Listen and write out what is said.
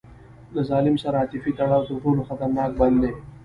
له ظالم سره عاطفي تړاو تر ټولو خطرناک بند دی.